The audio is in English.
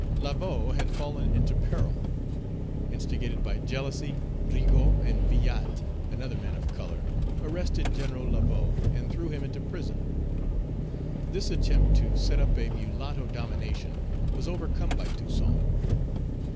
Laveaux had fallen into peril. Instigated by jealousy, Rigaud and Villate, another man of color, arrested General Laveaux and threw him into prison. This attempt to set up a mulatto domination was overcome by Toussaint.